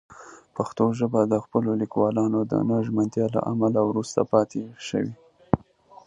پښتو ژبه د خپلو لیکوالانو د نه ژمنتیا له امله وروسته پاتې شوې.